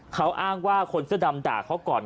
เขาอ้างว่าคนเสื้อดำด่าเขาก่อน